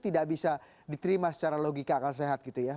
tidak bisa diterima secara logika akal sehat gitu ya